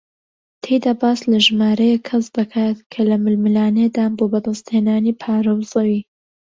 تێیدا باس لە ژمارەیەک کەس دەکات کە لە ململانێدان بۆ بەدەستهێنانی پارە و زەوی